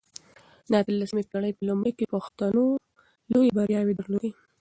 د اته لسمې پېړۍ په لومړيو کې پښتنو لويې برياوې درلودې.